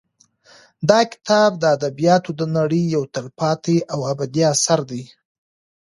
دا کتاب د ادبیاتو د نړۍ یو تلپاتې او ابدي اثر دی.